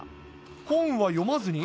本は読まずに。